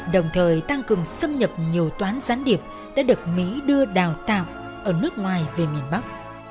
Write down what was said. đồng thời tăng cường xâm nhập nhiều toán gián điệp đã được mỹ đưa đào tạo ở nước ngoài về miền bắc